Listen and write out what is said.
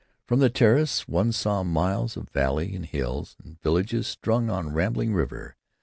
From the terrace one saw miles of valley and hills, and villages strung on a rambling river.